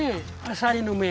あさりの目。